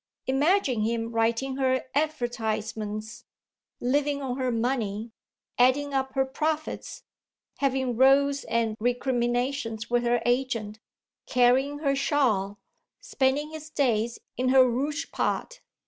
Imagine him writing her advertisements, living on her money, adding up her profits, having rows and recriminations with her agent, carrying her shawl, spending his days in her rouge pot.